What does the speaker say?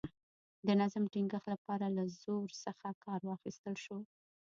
د نظم ټینګښت لپاره له زور څخه کار واخیستل شو.